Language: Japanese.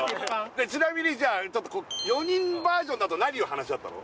じゃあちなみにじゃあ４人バージョンだと何を話し合ったの？